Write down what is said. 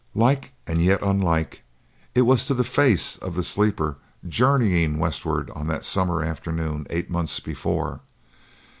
Like, and yet unlike, it was to the face of the sleeper journeying westward on that summer afternoon eight months before.